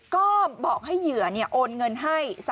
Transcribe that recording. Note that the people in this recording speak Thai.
ก็บอกให้เหยื่อโอนเงินให้